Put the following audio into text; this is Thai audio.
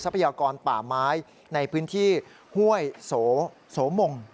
ทรัพยากรป่าม้ายในพื้นที่ห้วยโสโมง